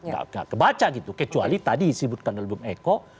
gak kebaca gitu kecuali tadi disebutkan dalam album eko